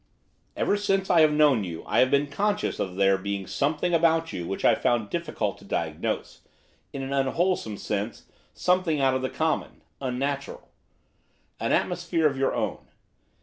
'Ever since I have known you I have been conscious of there being something about you which I found it difficult to diagnose; in an unwholesome sense, something out of the common, non natural; an atmosphere of your own.